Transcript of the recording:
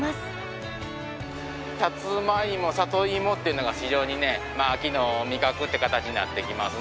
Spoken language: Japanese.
さつまいも里芋っていうのが非常にね秋の味覚って形になってきますね。